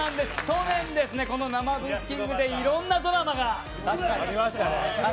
去年この生ブッキングでいろんなドラマがありました。